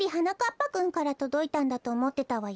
ぱくんからとどいたんだとおもってたわよ。